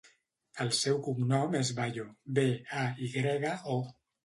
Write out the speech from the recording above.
El seu cognom és Bayo: be, a, i grega, o.